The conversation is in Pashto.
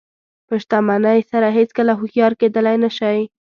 په شتمنۍ سره هېڅکله هوښیار کېدلی نه شئ.